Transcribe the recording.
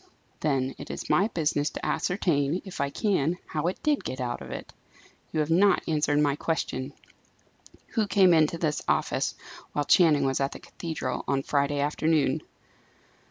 Then it is my business to ascertain, if I can, how it did get out of it. You have not answered my question. Who came into this office, while Channing was at the cathedral, on Friday afternoon?"